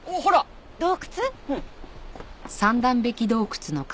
うん。